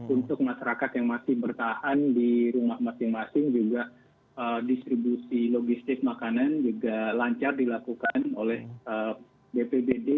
untuk masyarakat yang masih bertahan di rumah masing masing juga distribusi logistik makanan juga lancar dilakukan oleh bpbd